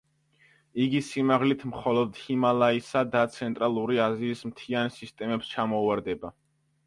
იგი სიმაღლით მხოლოდ ჰიმალაისა და ცენტრალური აზიის მთიან სისტემებს ჩამოუვარდება.